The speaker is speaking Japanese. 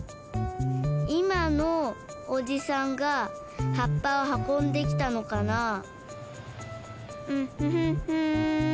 いまのおじさんが葉っぱをはこんできたのかな？